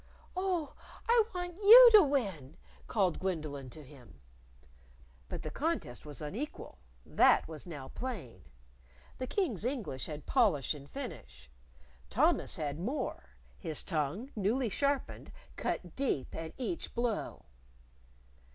"Oh, I want you to win!" called Gwendolyn to him. But the contest was unequal. That was now plain. The King's English had polish and finish. Thomas had more: his tongue, newly sharpened, cut deep at each blow.